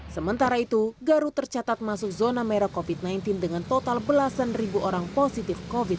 sementara itu garut tercatat masuk zona merah covid sembilan belas dengan total belasan ribu orang positif covid sembilan belas